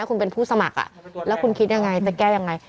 คุณเป็นผู้สมัครแล้วคุณคิดยังไงจะแก้ยังไง